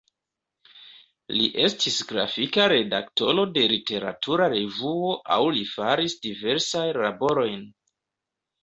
Li estis grafika redaktoro de literatura revuo aŭ li faris diversajn laborojn.